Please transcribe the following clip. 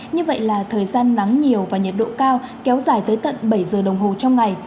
như vậy là thời gian nắng nhiều và nhiệt độ cao kéo dài tới tận bảy giờ đồng hồ trong ngày